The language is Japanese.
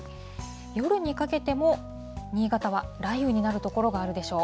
夜にかけても、新潟は雷雨になる所があるでしょう。